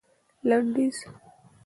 لنډيز